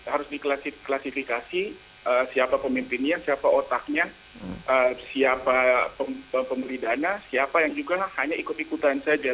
harus diklasifikasi siapa pemimpinnya siapa otaknya siapa pembeli dana siapa yang juga hanya ikut ikutan saja